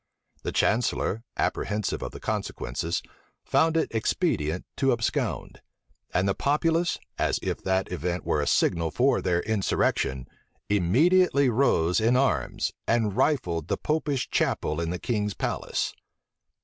The chancellor, apprehensive of the consequences, found it expedient to abscond; and the populace, as if that event were a signal for their insurrection, immediately rose in arms, and rifled the Popish chapel in the king's palace.